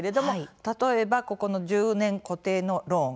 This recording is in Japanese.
例えば、１０年固定のローン。